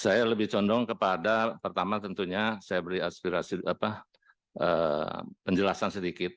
saya lebih condong kepada pertama tentunya saya beri aspirasi penjelasan sedikit